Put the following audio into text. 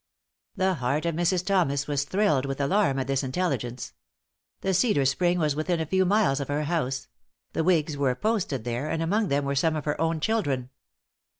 The heart of Mrs. Thomas was thrilled with alarm at this intelligence. The Cedar Spring was within a few miles of her house; the whigs were posted there, and among them were some of her own children.